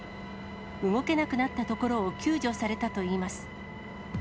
動けなくなったところを救助されたといいます。